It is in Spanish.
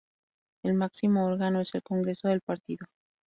El máximo órgano es el congreso del partido.